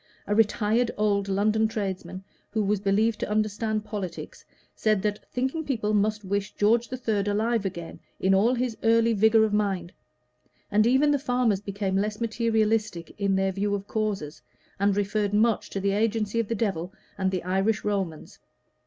A retired old London tradesman, who was believed to understand politics, said that thinking people must wish George III were alive again in all his early vigor of mind: and even the farmers became less materialistic in their view of causes, and referred much to the agency of the devil and the Irish Romans.